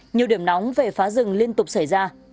nhiều điểm nóng về phá rừng liên tục xảy ra